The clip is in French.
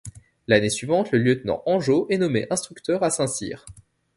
L'année suivante, le lieutenant Anjot est nommé instructeur à Saint-Cyr.